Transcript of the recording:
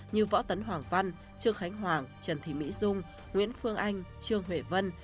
như võ tấn hoàng văn trương khánh hoàng trần thị mỹ dung nguyễn phương anh trương huệ vân